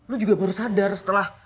lu juga baru sadar setelah